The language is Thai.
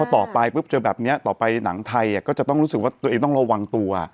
ต่อไปปุ๊บเจอแบบนี้ต่อไปหนังไทยก็จะต้องรู้สึกว่าตัวเองต้องระวังตัว